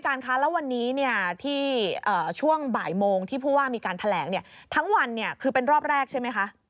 แล้ววันนี้เนี่ยที่ช่วงบ่ายโมงที่ผู้ว่ามีการแถลงเนี่ยทั้งวันเนี่ยคือเป็นรอบแรกใช่ไหมคะ